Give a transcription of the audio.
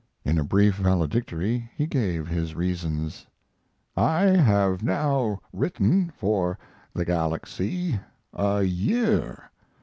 In a brief valedictory he gave his reasons: I have now written for the Galaxy a year.